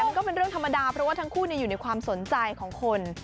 มันก็เป็นเรื่องธรรมดาเพราะว่าทั้งคู่อยู่ในความสนใจของคน